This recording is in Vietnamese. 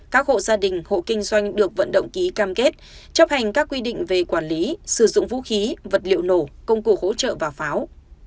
các hộ gia đình hộ kinh doanh được vận động ký cam kết chấp hành các quy định về quản lý sử dụng vũ khí vật liệu nổ công cụ hỗ trợ và pháo